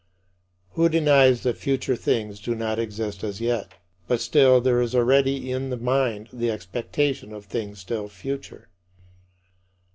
Who denies that future things do not exist as yet? But still there is already in the mind the expectation of things still future.